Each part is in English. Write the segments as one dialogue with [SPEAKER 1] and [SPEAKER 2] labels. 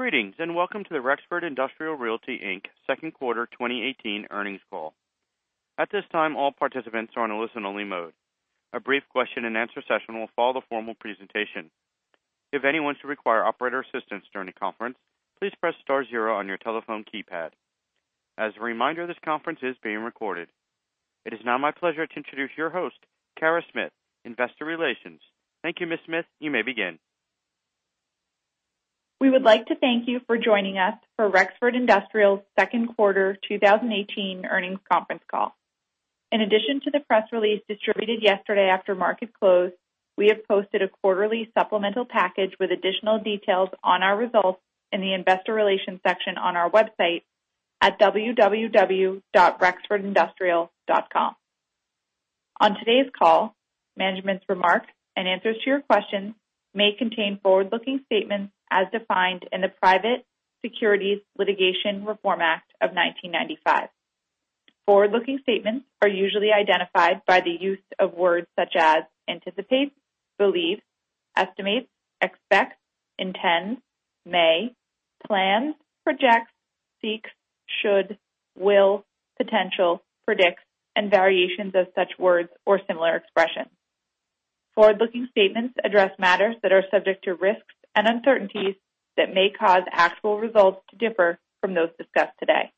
[SPEAKER 1] Greetings. Welcome to the Rexford Industrial Realty, Inc. second quarter 2018 earnings call. At this time, all participants are in listen-only mode. A brief question-and-answer session will follow the formal presentation. If anyone should require operator assistance during the conference, please press star zero on your telephone keypad. As a reminder, this conference is being recorded. It is now my pleasure to introduce your host, Kara Smith, Investor Relations. Thank you, Ms. Smith. You may begin.
[SPEAKER 2] We would like to thank you for joining us for Rexford Industrial's second quarter 2018 earnings conference call. In addition to the press release distributed yesterday after market close, we have posted a quarterly supplemental package with additional details on our results in the Investor Relations section on our website at www.rexfordindustrial.com. On today's call, management's remarks and answers to your questions may contain forward-looking statements as defined in the Private Securities Litigation Reform Act of 1995. Forward-looking statements are usually identified by the use of words such as anticipate, believe, estimate, expect, intend, may, plan, project, seek, should, will, potential, predict, and variations of such words or similar expressions. Forward-looking statements address matters that are subject to risks and uncertainties that may cause actual results to differ from those discussed today.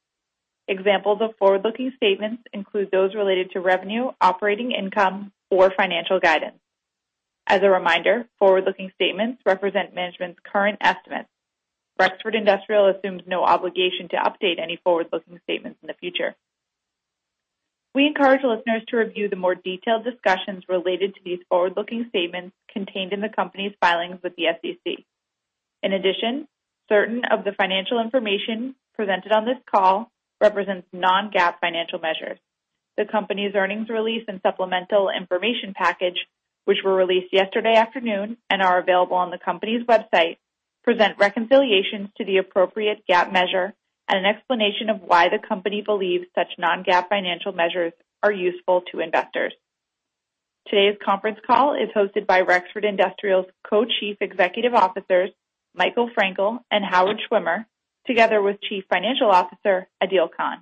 [SPEAKER 2] Examples of forward-looking statements include those related to revenue, operating income, or financial guidance. As a reminder, forward-looking statements represent management's current estimates. Rexford Industrial assumes no obligation to update any forward-looking statements in the future. We encourage listeners to review the more detailed discussions related to these forward-looking statements contained in the company's filings with the SEC. In addition, certain of the financial information presented on this call represents non-GAAP financial measures. The company's earnings release and supplemental information package, which were released yesterday afternoon and are available on the company's website, present reconciliations to the appropriate GAAP measure and an explanation of why the company believes such non-GAAP financial measures are useful to investors. Today's conference call is hosted by Rexford Industrial's Co-Chief Executive Officers, Michael Frankel and Howard Schwimmer, together with Chief Financial Officer, Adeel Khan.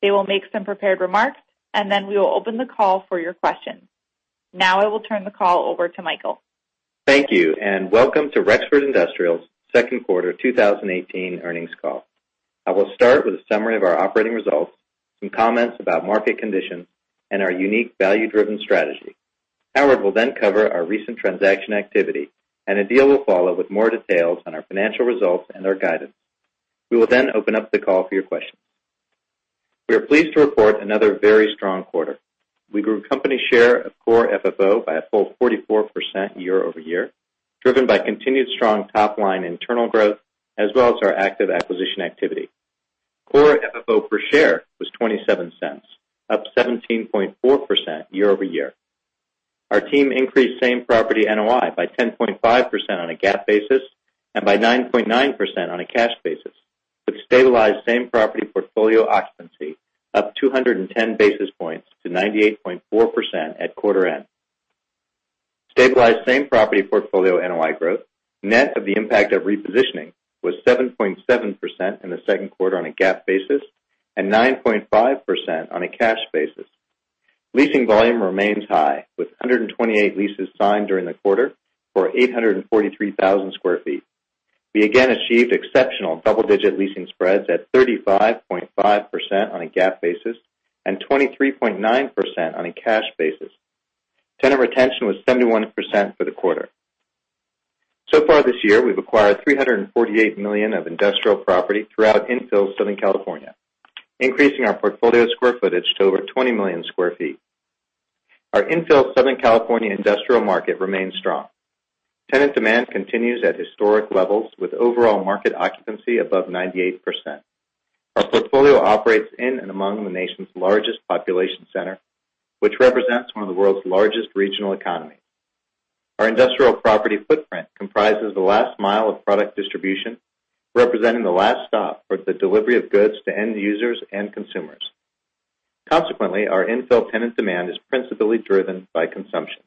[SPEAKER 2] They will make some prepared remarks. Then we will open the call for your questions. I will turn the call over to Michael.
[SPEAKER 3] Thank you. Welcome to Rexford Industrial's second quarter 2018 earnings call. I will start with a summary of our operating results, some comments about market conditions, and our unique value-driven strategy. Howard will cover our recent transaction activity. Adeel will follow with more details on our financial results and our guidance. We will open up the call for your questions. We are pleased to report another very strong quarter. We grew company share of Core FFO by a full 44% year-over-year, driven by continued strong top-line internal growth as well as our active acquisition activity. Core FFO per share was $0.27, up 17.4% year-over-year. Our team increased same-property NOI by 10.5% on a GAAP basis and by 9.9% on a cash basis, with stabilized same-property portfolio occupancy up 210 basis points to 98.4% at quarter end. Stabilized same-property NOI growth, net of the impact of repositioning, was 7.7% in the second quarter on a GAAP basis and 9.5% on a cash basis. Leasing volume remains high, with 128 leases signed during the quarter for 843,000 sq ft. We again achieved exceptional double-digit leasing spreads at 35.5% on a GAAP basis and 23.9% on a cash basis. Tenant retention was 71% for the quarter. So far this year, we've acquired $348 million of industrial property throughout infill Southern California, increasing our portfolio square footage to over 20 million sq ft. Our infill Southern California industrial market remains strong. Tenant demand continues at historic levels with overall market occupancy above 98%. Our portfolio operates in and among the nation's largest population center, which represents one of the world's largest regional economies. Our industrial property footprint comprises the last mile of product distribution, representing the last stop for the delivery of goods to end users and consumers. Consequently, our infill tenant demand is principally driven by consumption.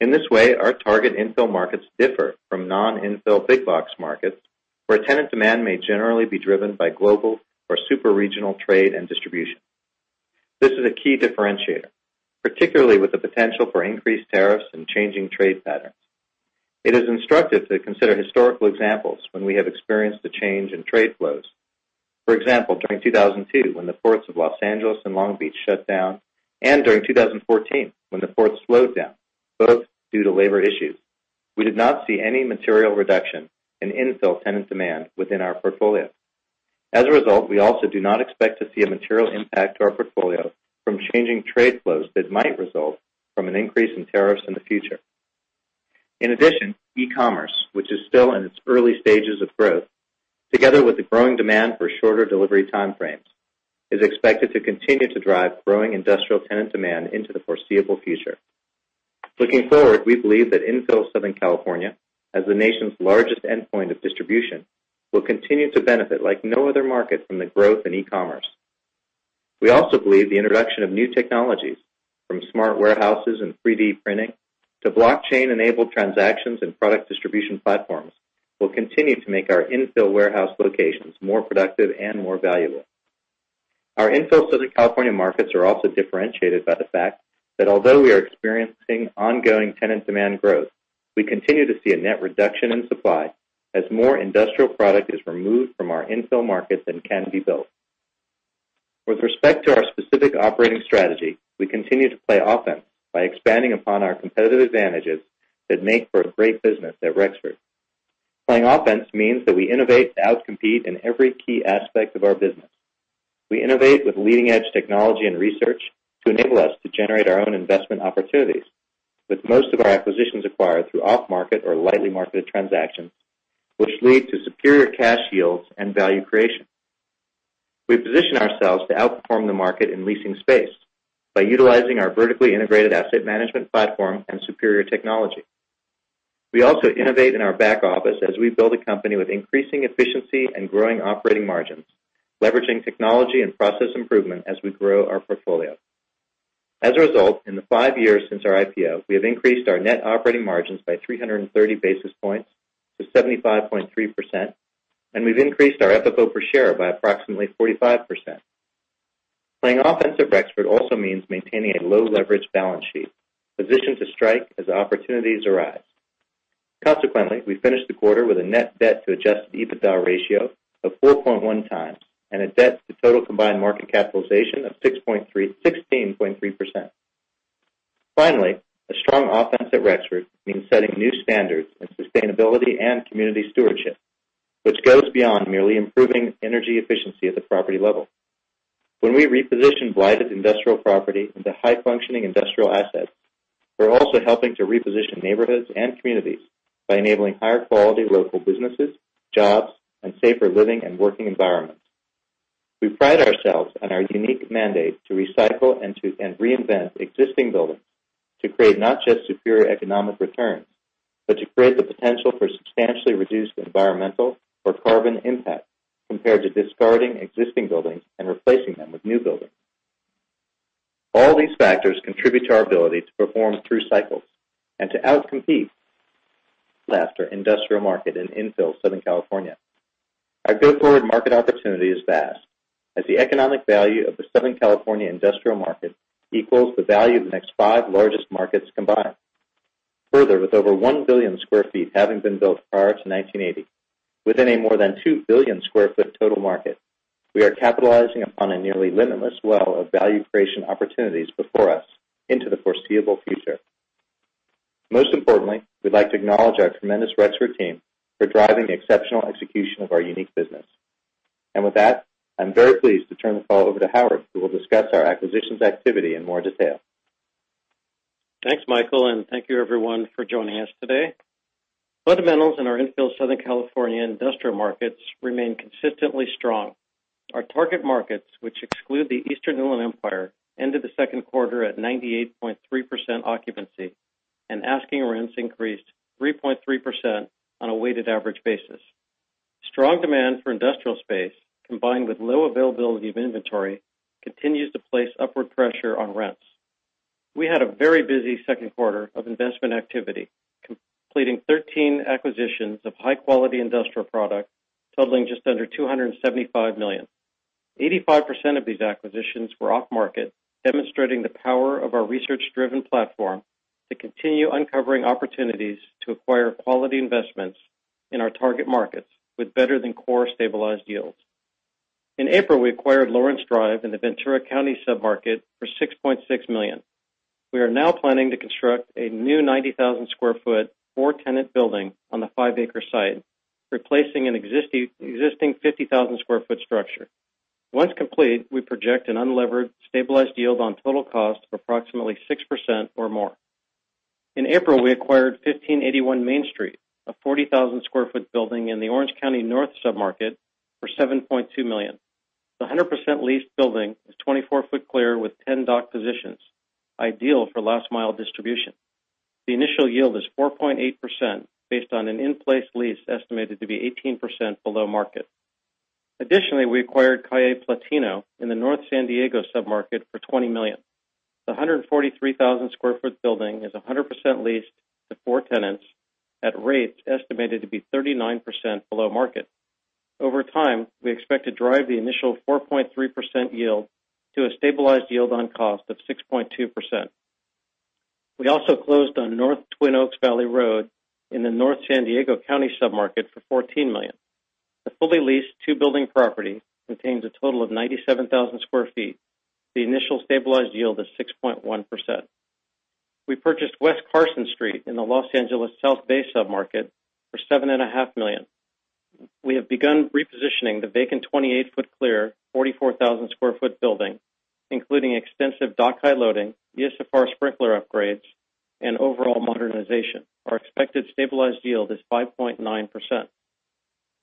[SPEAKER 3] In this way, our target infill markets differ from non-infill big box markets, where tenant demand may generally be driven by global or super-regional trade and distribution. This is a key differentiator, particularly with the potential for increased tariffs and changing trade patterns. It is instructive to consider historical examples when we have experienced a change in trade flows. For example, during 2002, when the ports of Los Angeles and Long Beach shut down, and during 2014, when the ports slowed down, both due to labor issues. We did not see any material reduction in infill tenant demand within our portfolio. As a result, we also do not expect to see a material impact to our portfolio from changing trade flows that might result from an increase in tariffs in the future. In addition, e-commerce, which is still in its early stages of growth, together with the growing demand for shorter delivery time frames, is expected to continue to drive growing industrial tenant demand into the foreseeable future. Looking forward, we believe that infill Southern California, as the nation's largest endpoint of distribution, will continue to benefit like no other market from the growth in e-commerce. We also believe the introduction of new technologies from smart warehouses and 3D printing to blockchain-enabled transactions and product distribution platforms will continue to make our infill warehouse locations more productive and more valuable. Our infill Southern California markets are also differentiated by the fact that although we are experiencing ongoing tenant demand growth, we continue to see a net reduction in supply as more industrial product is removed from our infill markets than can be built. With respect to our specific operating strategy, we continue to play offense by expanding upon our competitive advantages that make for a great business at Rexford. Playing offense means that we innovate to out-compete in every key aspect of our business. We innovate with leading-edge technology and research to enable us to generate our own investment opportunities. With most of our acquisitions acquired through off-market or lightly marketed transactions, which lead to superior cash yields and value creation. We position ourselves to outperform the market in leasing space by utilizing our vertically integrated asset management platform and superior technology. We also innovate in our back office as we build a company with increasing efficiency and growing operating margins, leveraging technology and process improvement as we grow our portfolio. As a result, in the five years since our IPO, we have increased our net operating margins by 330 basis points to 75.3%, and we've increased our EBITDA per share by approximately 45%. Playing offense at Rexford also means maintaining a low leverage balance sheet, positioned to strike as opportunities arise. Consequently, we finished the quarter with a net debt to adjusted EBITDA ratio of 4.1 times and a debt to total combined market capitalization of 16.3%. Finally, a strong offense at Rexford means setting new standards in sustainability and community stewardship, which goes beyond merely improving energy efficiency at the property level. When we reposition blighted industrial property into high-functioning industrial assets, we're also helping to reposition neighborhoods and communities by enabling higher quality local businesses, jobs, and safer living and working environments. We pride ourselves on our unique mandate to recycle and reinvent existing buildings to create not just superior economic returns, but to create the potential for substantially reduced environmental or carbon impact, compared to discarding existing buildings and replacing them with new buildings. All these factors contribute to our ability to perform through cycles and to out-compete industrial market in infill Southern California. Our go-forward market opportunity is vast, as the economic value of the Southern California industrial market equals the value of the next five largest markets combined. Further, with over 1 billion square feet having been built prior to 1980, within a more than 2 billion square foot total market, we are capitalizing upon a nearly limitless well of value creation opportunities before us into the foreseeable future. Most importantly, we'd like to acknowledge our tremendous Rexford team for driving exceptional execution of our unique business. With that, I'm very pleased to turn the call over to Howard, who will discuss our acquisitions activity in more detail.
[SPEAKER 4] Thanks, Michael, and thank you everyone for joining us today. Fundamentals in our infill Southern California industrial markets remain consistently strong. Our target markets, which exclude the Eastern Inland Empire, ended the second quarter at 98.3% occupancy, and asking rents increased 3.3% on a weighted average basis. Strong demand for industrial space, combined with low availability of inventory, continues to place upward pressure on rents. We had a very busy second quarter of investment activity, completing 13 acquisitions of high-quality industrial product totaling just under $275 million. 85% of these acquisitions were off-market, demonstrating the power of our research-driven platform to continue uncovering opportunities to acquire quality investments in our target markets with better than core stabilized yields. In April, we acquired Lawrence Drive in the Ventura County sub-market for $6.6 million. We are now planning to construct a new 90,000 sq ft, four-tenant building on the five-acre site, replacing an existing 50,000 sq ft structure. Once complete, we project an unlevered stabilized yield on total cost of approximately 6% or more. April, we acquired 1581 Main Street, a 40,000 sq ft building in the Orange County North submarket for $7.2 million. The 100% leased building is 24-foot clear with 10 dock positions, ideal for last mile distribution. The initial yield is 4.8% based on an in-place lease estimated to be 18% below market. Additionally, we acquired Calle Platino in the North San Diego submarket for $20 million. The 143,000 sq ft building is 100% leased to four tenants at rates estimated to be 39% below market. Over time, we expect to drive the initial 4.3% yield to a stabilized yield on cost of 6.2%. We also closed on North Twin Oaks Valley Road in the North San Diego County submarket for $14 million. The fully leased two-building property contains a total of 97,000 sq ft. The initial stabilized yield is 6.1%. We purchased West Carson Street in the Los Angeles South Bay submarket for $7.5 million. We have begun repositioning the vacant 28-foot clear, 44,000 sq ft building, including extensive dock high loading, ESFR sprinkler upgrades, and overall modernization. Our expected stabilized yield is 5.9%.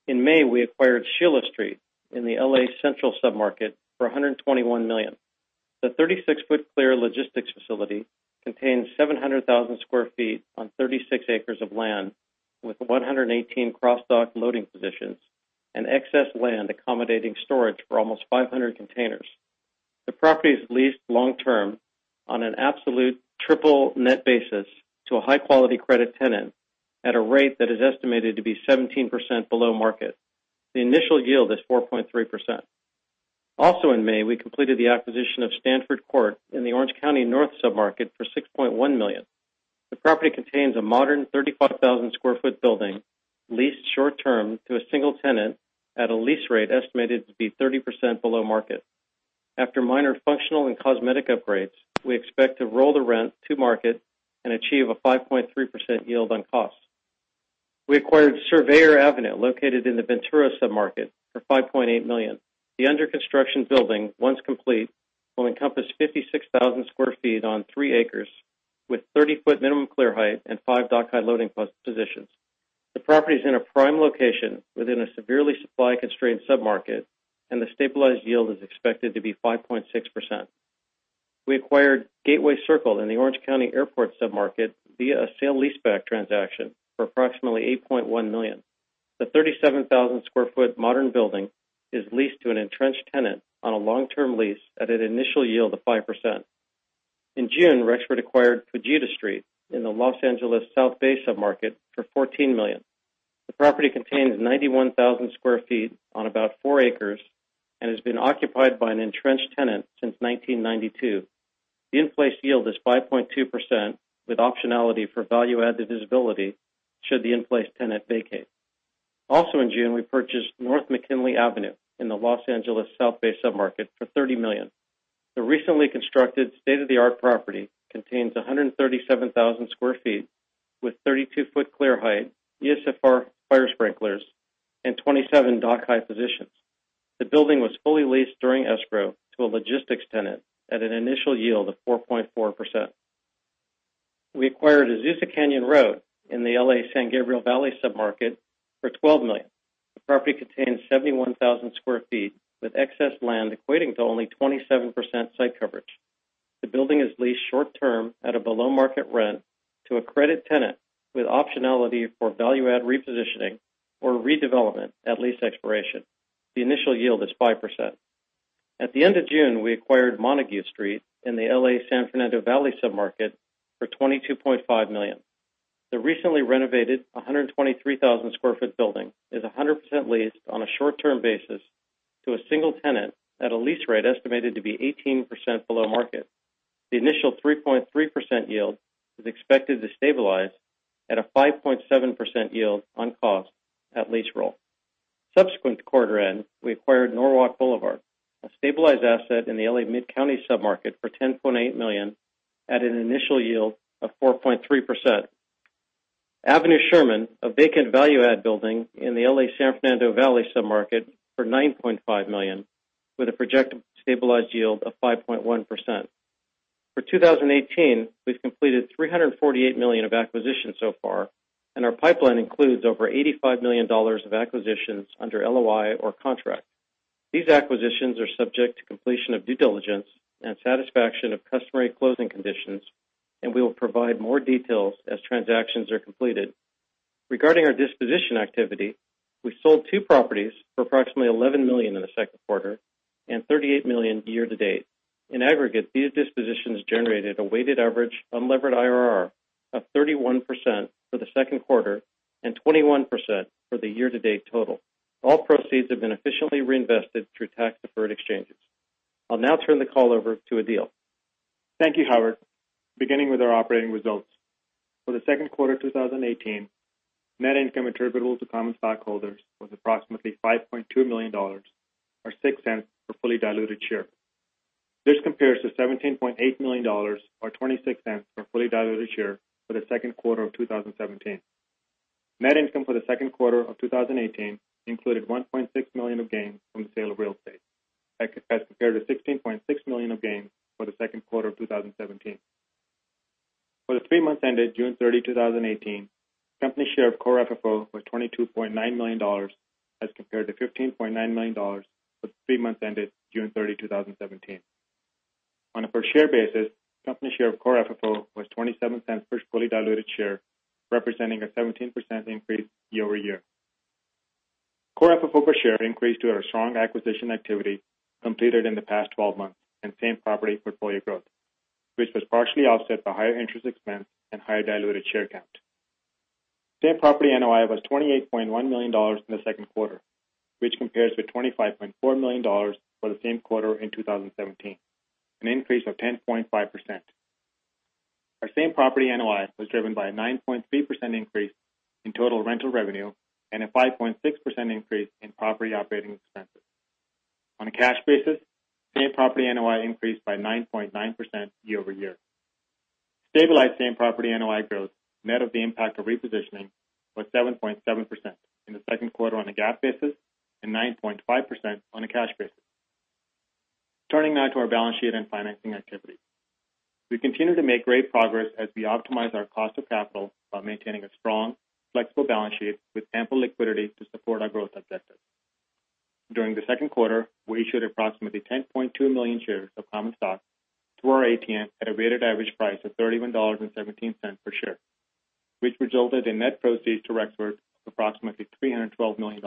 [SPEAKER 4] May, we acquired Sheila Street in the L.A. Central submarket for $121 million. The 36-foot clear logistics facility contains 700,000 sq ft on 36 acres of land, with 118 cross-dock loading positions and excess land accommodating storage for almost 500 containers. The property is leased long-term on an absolute triple net basis to a high-quality credit tenant at a rate that is estimated to be 17% below market. The initial yield is 4.3%. Also in May, we completed the acquisition of Stanford Court in the Orange County North submarket for $6.1 million. The property contains a modern 35,000 sq ft building, leased short-term to a single tenant at a lease rate estimated to be 30% below market. After minor functional and cosmetic upgrades, we expect to roll the rent to market and achieve a 5.3% yield on cost. We acquired Surveyor Avenue, located in the Ventura submarket, for $5.8 million. The under-construction building, once complete, will encompass 56,000 sq ft on three acres with 30-foot minimum clear height and five dock-high loading positions. The property is in a prime location within a severely supply-constrained submarket, and the stabilized yield is expected to be 5.6%. We acquired Gateway Circle in the Orange County Airport submarket via a sale leaseback transaction for approximately $8.1 million. The 37,000 sq ft modern building is leased to an entrenched tenant on a long-term lease at an initial yield of 5%. June, Rexford acquired Fujita Street in the Los Angeles South Bay submarket for $14 million. The property contains 91,000 sq ft on about four acres and has been occupied by an entrenched tenant since 1992. The in-place yield is 5.2% with optionality for value-added visibility should the in-place tenant vacate. Also in June, we purchased North McKinley Avenue in the Los Angeles South Bay submarket for $30 million. The recently constructed state-of-the-art property contains 137,000 sq ft with 32-foot clear height, ESFR fire sprinklers, and 27 dock-high positions. The building was fully leased during escrow to a logistics tenant at an initial yield of 4.4%. We acquired Azusa Canyon Road in the L.A. San Gabriel Valley submarket for $12 million. The property contains 71,000 sq ft with excess land equating to only 27% site coverage. The building is leased short-term at a below-market rent to a credit tenant with optionality for value-add repositioning or redevelopment at lease expiration. The initial yield is 5%. At the end of June, we acquired Montague Street in the L.A. San Fernando Valley submarket for $22.5 million. The recently renovated 123,000 sq ft building is 100% leased on a short-term basis to a single tenant at a lease rate estimated to be 18% below market. The initial 3.3% yield is expected to stabilize at a 5.7% yield on cost at lease roll. Subsequent to quarter end, we acquired Norwalk Boulevard, a stabilized asset in the L.A. mid-county submarket, for $10.8 million at an initial yield of 4.3%. Avenue Sherman, a vacant value-add building in the L.A. San Fernando Valley submarket for $9.5 million with a projected stabilized yield of 5.1%. For 2018, we've completed $348 million of acquisitions so far, and our pipeline includes over $85 million of acquisitions under LOI or contract. These acquisitions are subject to completion of due diligence and satisfaction of customary closing conditions, and we will provide more details as transactions are completed. Regarding our disposition activity, we sold 2 properties for approximately $11 million in the second quarter and $38 million year-to-date. In aggregate, these dispositions generated a weighted average unlevered IRR of 31% for the second quarter and 21% for the year-to-date total. All proceeds have been efficiently reinvested through tax-deferred exchanges. I'll now turn the call over to Adeel.
[SPEAKER 5] Thank you, Howard. Beginning with our operating results. For the second quarter 2018, net income attributable to common stockholders was approximately $5.2 million, or $0.06 per fully diluted share. This compares to $17.8 million, or $0.26 per fully diluted share for the second quarter of 2017. Net income for the second quarter of 2018 included $1.6 million of gains from the sale of real estate as compared to $16.6 million of gains for the second quarter of 2017. For the three months ended June 30, 2018, company share of Core FFO was $22.9 million as compared to $15.9 million for the three months ended June 30, 2017. On a per share basis, company share of Core FFO was $0.27 per fully diluted share, representing a 17% increase year-over-year. Core FFO per share increased due our strong acquisition activity completed in the past 12 months and same-property portfolio growth, which was partially offset by higher interest expense and higher diluted share count. Same-Property NOI was $28.1 million in the second quarter, which compares with $25.4 million for the same quarter in 2017, an increase of 10.5%. Our same-property NOI was driven by a 9.3% increase in total rental revenue and a 5.6% increase in property operating expenses. On a cash basis, same-property NOI increased by 9.9% year-over-year. Stabilized same-property NOI growth net of the impact of repositioning was 7.7% in the second quarter on a GAAP basis and 9.5% on a cash basis. Turning now to our balance sheet and financing activity. We continue to make great progress as we optimize our cost of capital while maintaining a strong, flexible balance sheet with ample liquidity to support our growth objectives. During the second quarter, we issued approximately 10.2 million shares of common stock through our ATM at a weighted average price of $31.17 per share, which resulted in net proceeds to Rexford of approximately $312 million.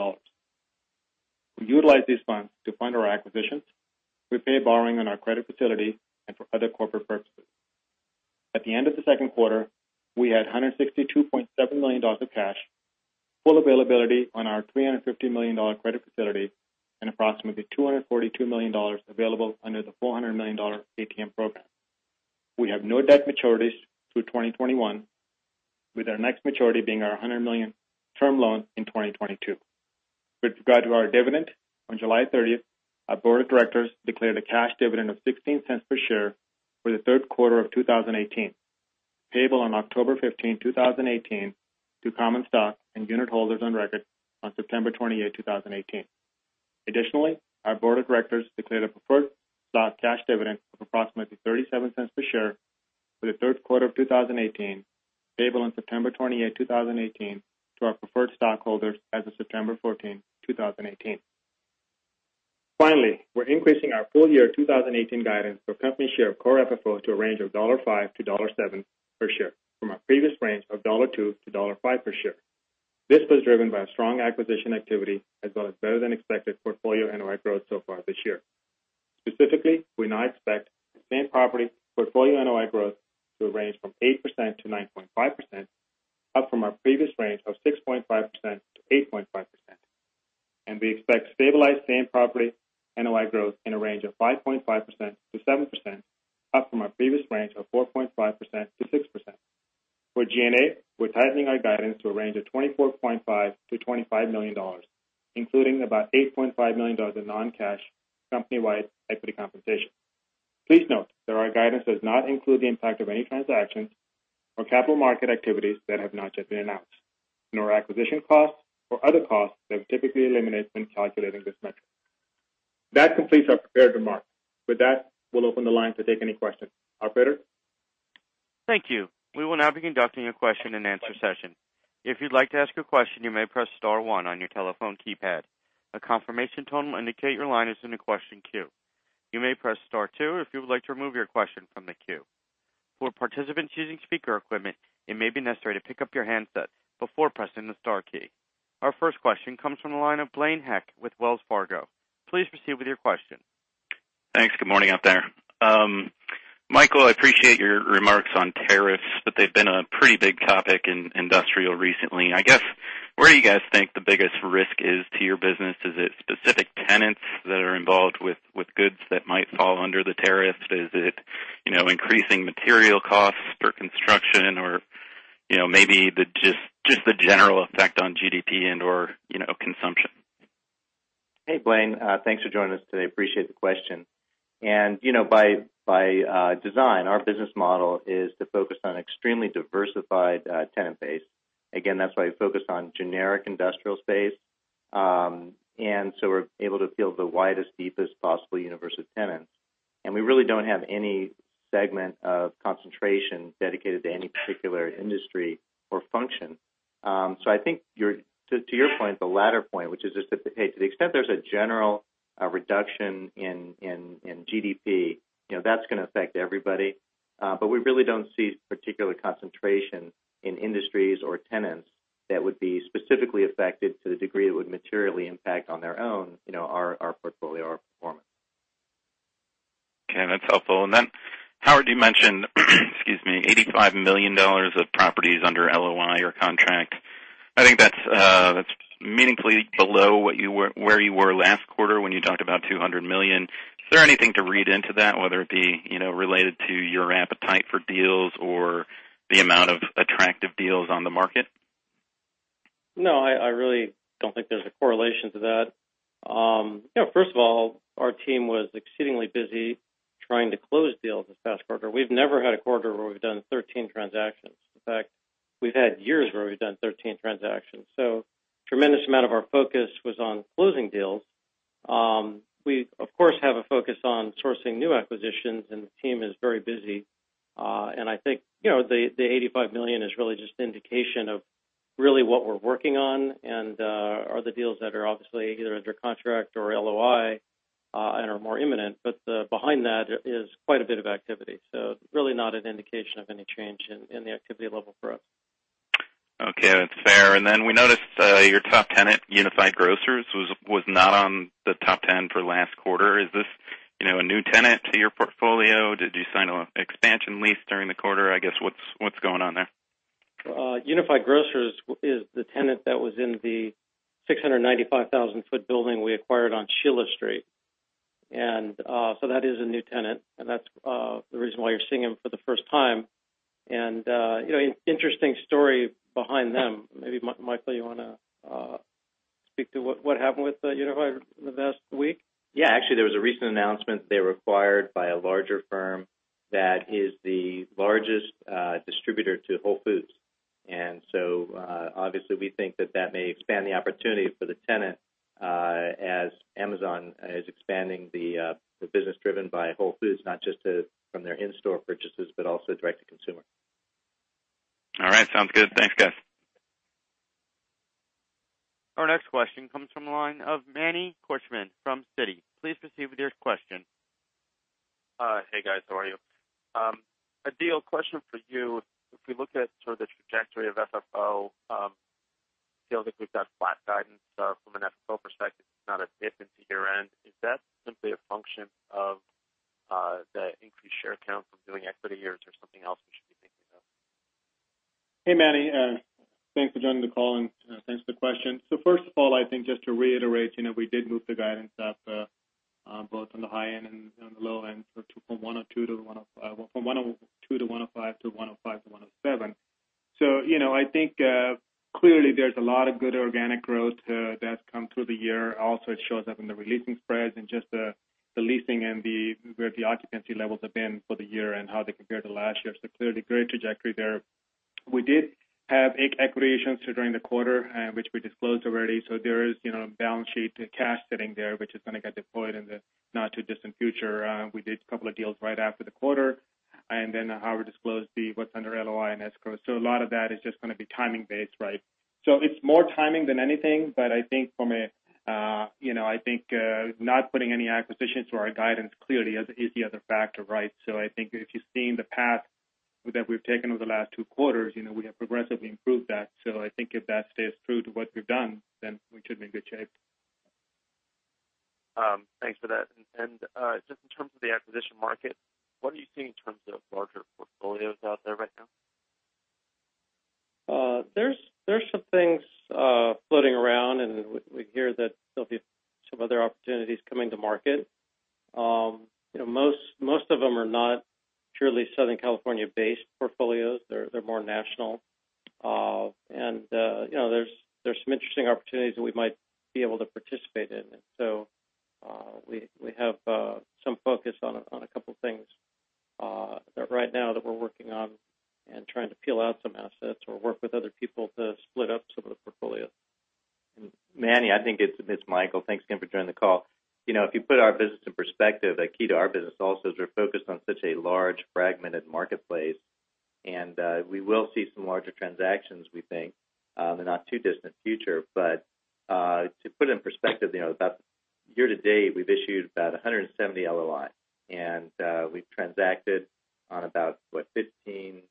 [SPEAKER 5] We utilized these funds to fund our acquisitions, repay a borrowing on our credit facility, and for other corporate purposes. At the end of the second quarter, we had $162.7 million of cash, full availability on our $350 million credit facility, and approximately $242 million available under the $400 million ATM program. We have no debt maturities through 2021, with our next maturity being our $100 million term loan in 2022. With regard to our dividend, on July 30th, our board of directors declared a cash dividend of $0.16 per share for the third quarter of 2018, payable on October 15, 2018, to common stock and unit holders on record on September 28, 2018. Additionally, our board of directors declared a preferred stock cash dividend of approximately $0.37 per share for the third quarter of 2018, payable on September 28, 2018, to our preferred stockholders as of September 14, 2018. We're increasing our full year 2018 guidance for company share Core FFO to a range of $1.50-$1.70 per share from our previous range of $1.20-$1.50 per share. This was driven by strong acquisition activity as well as better than expected portfolio NOI growth so far this year. Specifically, we now expect same-property portfolio NOI growth to range from 8%-9.5%, up from our previous range of 6.5%-8.5%. We expect stabilized same-property NOI growth in a range of 5.5%-7%, up from our previous range of 4.5%-6%. For G&A, we're tightening our guidance to a range of $24.5 million-$25 million, including about $8.5 million in non-cash company-wide equity compensation. Please note that our guidance does not include the impact of any transactions or capital market activities that have not yet been announced, nor acquisition costs or other costs that we typically eliminate when calculating this metric. That completes our prepared remarks. With that, we'll open the line to take any questions. Operator?
[SPEAKER 1] Thank you. We will now be conducting a question-and-answer session. If you'd like to ask a question, you may press star one on your telephone keypad. A confirmation tone will indicate your line is in the question queue. You may press star two if you would like to remove your question from the queue. For participants using speaker equipment, it may be necessary to pick up your handset before pressing the star key. Our first question comes from the line of Blaine Heck with Wells Fargo. Please proceed with your question.
[SPEAKER 6] Thanks. Good morning out there. Michael, I appreciate your remarks on tariffs. They've been a pretty big topic in industrial recently. I guess, where do you guys think the biggest risk is to your business? Is it specific tenants that are involved with goods that might fall under the tariffs? Is it increasing material costs for construction? Maybe just the general effect on GDP and/or consumption?
[SPEAKER 3] Hey, Blaine. Thanks for joining us today. Appreciate the question. By design, our business model is to focus on extremely diversified tenant base. Again, that's why we focus on generic industrial space. We're able to field the widest, deepest possible universe of tenants. We really don't have any segment of concentration dedicated to any particular industry or function. I think to your point, the latter point, which is just that, hey, to the extent there's a general reduction in GDP, that's going to affect everybody. We really don't see particular concentration in industries or tenants that would be specifically affected to the degree that it would materially impact on their own, our portfolio or our performance.
[SPEAKER 6] Okay, that's helpful. Howard, you mentioned $85 million of properties under LOI or contract. I think that's meaningfully below where you were last quarter when you talked about $200 million. Is there anything to read into that, whether it be related to your appetite for deals or the amount of attractive deals on the market?
[SPEAKER 4] No, I really don't think there's a correlation to that. First of all, our team was exceedingly busy trying to close deals this past quarter. We've never had a quarter where we've done 13 transactions. In fact, we've had years where we've done 13 transactions. A tremendous amount of our focus was on closing deals. We, of course, have a focus on sourcing new acquisitions, and the team is very busy. I think the $85 million is really just an indication of really what we're working on and are the deals that are obviously either under contract or LOI and are more imminent. Behind that is quite a bit of activity. Really not an indication of any change in the activity level for us.
[SPEAKER 6] Okay, that's fair. We noticed your top tenant, Unified Grocers, was not on the top 10 for last quarter. Is this a new tenant to your portfolio? Did you sign an expansion lease during the quarter? I guess, what's going on there?
[SPEAKER 5] Unified Grocers is the tenant that was in the 695,000-foot building we acquired on Sheila Street. That is a new tenant, and that's the reason why you're seeing him for the first time. Interesting story behind them. Maybe, Michael, you want to speak to what happened with Unified in the past week?
[SPEAKER 3] Yeah, actually, there was a recent announcement. They were acquired by a larger firm that is the largest distributor to Whole Foods
[SPEAKER 4] Obviously we think that that may expand the opportunity for the tenant as Amazon is expanding the business driven by Whole Foods, not just from their in-store purchases, but also direct-to-consumer.
[SPEAKER 6] All right. Sounds good. Thanks, guys.
[SPEAKER 1] Our next question comes from the line of Emmanuel Korchman from Citi. Please proceed with your question.
[SPEAKER 7] Hi. Hey guys, how are you? Adeel, question for you. If we look at sort of the trajectory of FFO, it feels like we've got flat guidance from an FFO perspective. It's not a dip into year-end. Is that simply a function of the increased share count from doing equity here, or is there something else we should be thinking of?
[SPEAKER 5] Hey, Manny. Thanks for joining the call, and thanks for the question. First of all, I think just to reiterate, we did move the guidance up both on the high end and on the low end from 102 to 105 to 105 to 107. I think clearly there's a lot of good organic growth that's come through the year. Also, it shows up in the leasing spreads and just the leasing and where the occupancy levels have been for the year and how they compare to last year. Clearly great trajectory there. We did have acquisitions during the quarter, which we disclosed already. There is balance sheet cash sitting there, which is going to get deployed in the not-too-distant future. We did a couple of deals right after the quarter, and then Howard disclosed what's under LOI and escrow. A lot of that is just going to be timing based, right? It's more timing than anything, but I think not putting any acquisitions to our guidance clearly is the other factor, right? I think if you've seen the path that we've taken over the last two quarters, we have progressively improved that. I think if that stays true to what we've done, then we should be in good shape.
[SPEAKER 7] Thanks for that. Just in terms of the acquisition market, what are you seeing in terms of larger portfolios out there right now?
[SPEAKER 4] There's some things floating around. We hear that there'll be some other opportunities coming to market. Most of them are not purely Southern California-based portfolios. They're more national. There's some interesting opportunities that we might be able to participate in. We have some focus on a couple things right now that we're working on and trying to peel out some assets or work with other people to split up some of the portfolios.
[SPEAKER 3] Manny, I think it's Michael. Thanks again for joining the call. If you put our business in perspective, the key to our business also is we're focused on such a large, fragmented marketplace. We will see some larger transactions, we think, in the not-too-distant future. To put it in perspective, year-to-date, we've issued about 170 LOIs. We've transacted on about 15,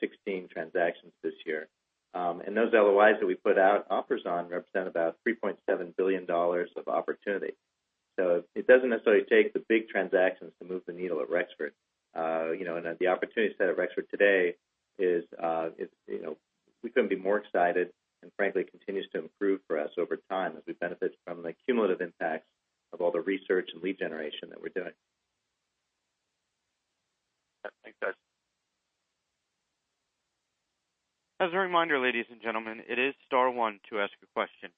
[SPEAKER 3] 16 transactions this year. Those LOIs that we put out offers on represent about $3.7 billion of opportunity. It doesn't necessarily take the big transactions to move the needle at Rexford. The opportunity set at Rexford today is, we couldn't be more excited, and frankly, continues to improve for us over time as we benefit from the cumulative impacts of all the research and lead generation that we're doing.
[SPEAKER 7] Thanks, guys.
[SPEAKER 1] As a reminder, ladies and gentlemen, it is star one to ask a question.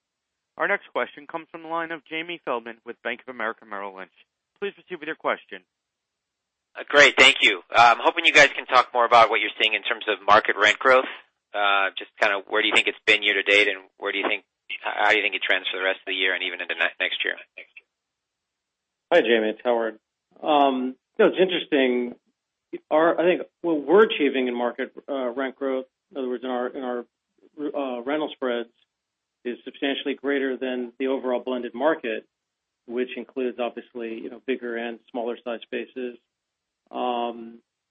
[SPEAKER 1] Our next question comes from the line of Jamie Feldman with Bank of America Merrill Lynch. Please proceed with your question.
[SPEAKER 8] Great. Thank you. I'm hoping you guys can talk more about what you're seeing in terms of market rent growth. Just kind of where do you think it's been year-to-date, and how do you think it trends for the rest of the year and even into next year? Thanks.
[SPEAKER 4] Hi, Jamie. It's Howard. It's interesting. I think what we're achieving in market rent growth, in other words, in our rental spreads, is substantially greater than the overall blended market, which includes obviously bigger and smaller-sized spaces.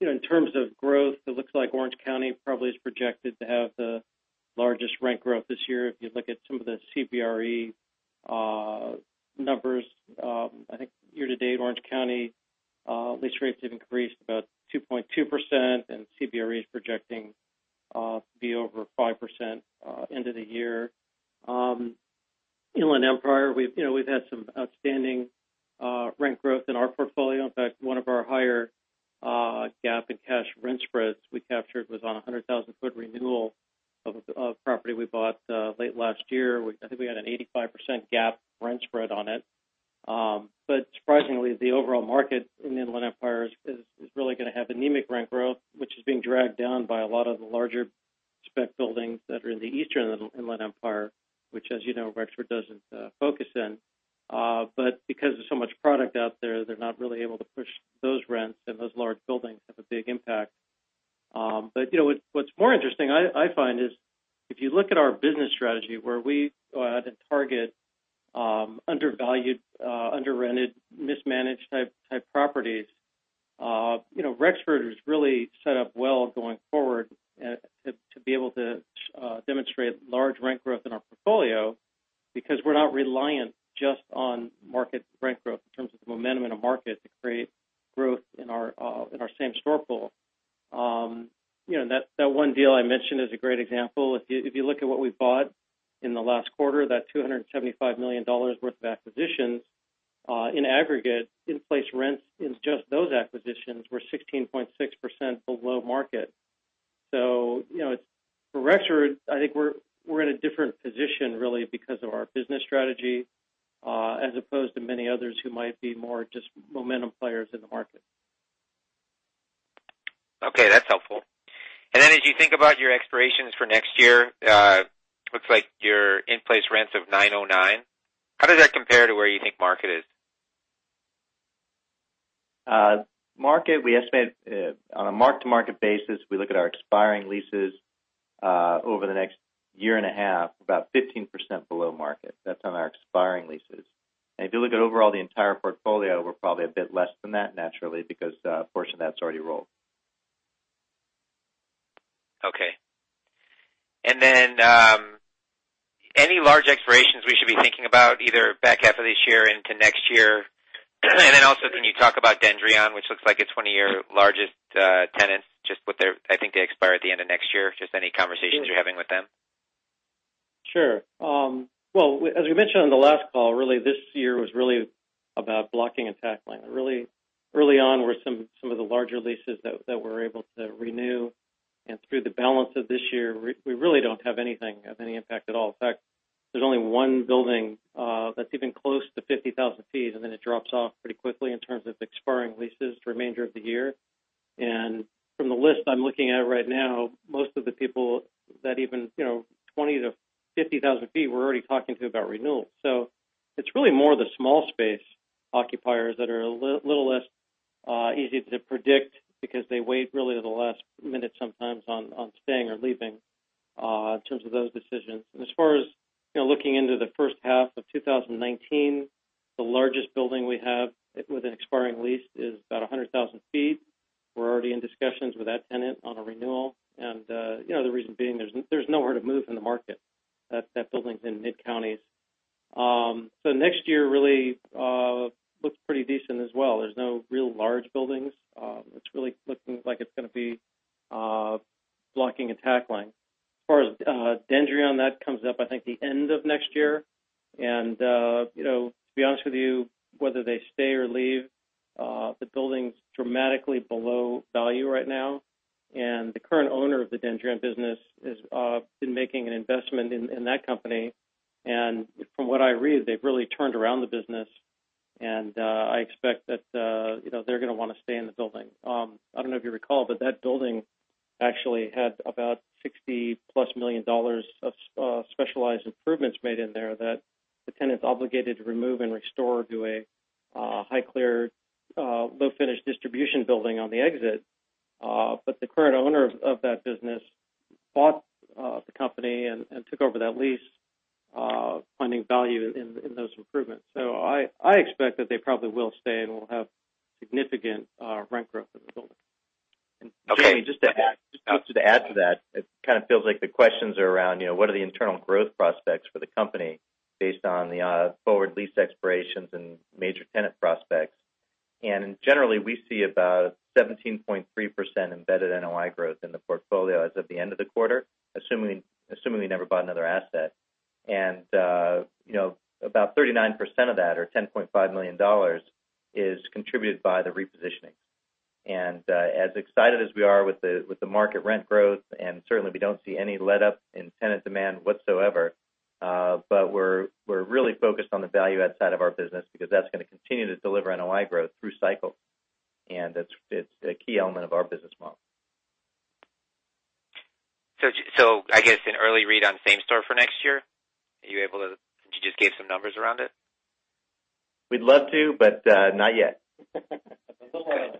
[SPEAKER 4] In terms of growth, it looks like Orange County probably is projected to have the largest rent growth this year. If you look at some of the CBRE numbers, I think year-to-date, Orange County lease rates have increased about 2.2%, and CBRE is projecting to be over 5% end of the year. Inland Empire, we've had some outstanding rent growth in our portfolio. In fact, one of our higher gap in cash rent spreads we captured was on a 100,000-foot renewal of a property we bought late last year. I think we had an 85% gap rent spread on it. Surprisingly, the overall market in the Inland Empire is really going to have anemic rent growth, which is being dragged down by a lot of the larger spec buildings that are in the eastern Inland Empire, which, as you know, Rexford doesn't focus in. Because there's so much product out there, they're not really able to push those rents, and those large buildings have a big impact. What's more interesting, I find, is if you look at our business strategy where we go out and target undervalued, under-rented, mismanaged type properties, Rexford is really set up well going forward to be able to demonstrate large rent growth in our portfolio because we're not reliant just on market rent growth in terms of the momentum in a market to create growth in our same-store pool. That one deal I mentioned is a great example. If you look at what we bought in the last quarter, that $275 million worth of acquisitions in aggregate in-place rents in just those acquisitions were 16.6% below market. For Rexford, I think we're in a different position really because of our business strategy as opposed to many others who might be more just momentum players in the market.
[SPEAKER 8] Okay, that's helpful. Then as you think about your expirations for next year, looks like your in-place rents of $9.09. How does that compare to where you think market is?
[SPEAKER 3] Market, we estimate on a mark-to-market basis, we look at our expiring leases over the next year and a half, about 15% below market. That's on our expiring leases. If you look at overall the entire portfolio, we're probably a bit less than that naturally, because a portion of that's already rolled.
[SPEAKER 8] Okay. Any large expirations we should be thinking about either back half of this year into next year? Also, can you talk about Dendreon, which looks like it's one of your largest tenants, I think they expire at the end of next year. Just any conversations you're having with them.
[SPEAKER 4] Sure. Well, as we mentioned on the last call, really this year was really about blocking and tackling. Really early on were some of the larger leases that we're able to renew. Through the balance of this year, we really don't have anything of any impact at all. In fact, there's only one building that's even close to 50,000 feet, it drops off pretty quickly in terms of expiring leases for the remainder of the year. From the list I'm looking at right now, most of the people that even 20,000 to 50,000 feet, we're already talking to about renewal. It's really more the small space occupiers that are a little less easy to predict because they wait really to the last minute sometimes on staying or leaving in terms of those decisions. As far as looking into the first half of 2019, the largest building we have with an expiring lease is about 100,000 feet. We're already in discussions with that tenant on a renewal. The reason being, there's nowhere to move in the market. That building's in mid-counties. Next year really looks pretty decent as well. There's no real large buildings. It's really looking like it's going to be blocking and tackling. As far as Dendreon, that comes up, I think, the end of next year. To be honest with you, whether they stay or leave, the building's dramatically below value right now. The current owner of the Dendreon business has been making an investment in that company. From what I read, they've really turned around the business, and I expect that they're going to want to stay in the building. I don't know if you recall, that building actually had about $60-plus million of specialized improvements made in there that the tenant's obligated to remove and restore to a high clear, low-finish distribution building on the exit. The current owner of that business bought the company and took over that lease, finding value in those improvements. I expect that they probably will stay, and we'll have significant rent growth in the building.
[SPEAKER 3] Jamie, just to add to that, it kind of feels like the questions are around, what are the internal growth prospects for the company based on the forward lease expirations and major tenant prospects. Generally, we see about 17.3% embedded NOI growth in the portfolio as of the end of the quarter, assuming we never bought another asset. About 39% of that, or $10.5 million, is contributed by the repositioning. As excited as we are with the market rent growth, and certainly we don't see any letup in tenant demand whatsoever, but we're really focused on the value add side of our business because that's going to continue to deliver NOI growth through cycle. It's a key element of our business model.
[SPEAKER 8] I guess an early read on same store for next year. Could you just give some numbers around it?
[SPEAKER 3] We'd love to, but not yet.
[SPEAKER 4] We'll have.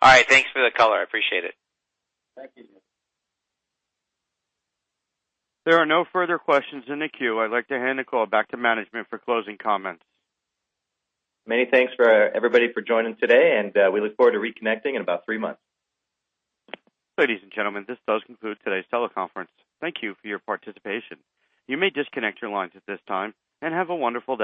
[SPEAKER 8] All right. Thanks for the color. I appreciate it.
[SPEAKER 4] Thank you.
[SPEAKER 1] There are no further questions in the queue. I'd like to hand the call back to management for closing comments.
[SPEAKER 3] Many thanks for everybody for joining today, and we look forward to reconnecting in about three months.
[SPEAKER 1] Ladies and gentlemen, this does conclude today's teleconference. Thank you for your participation. You may disconnect your lines at this time. Have a wonderful day.